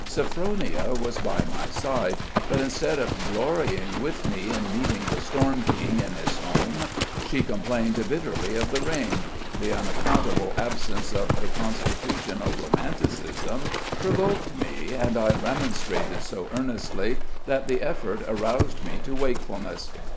Sophronia was by my side; but, instead of glorying with me in meeting the storm king in his home, she complained bitterly of the rain. The unaccountable absence of her constitutional romanticism provoked me, and I remonstrated so earnestly, that the effort roused me to wakefulness.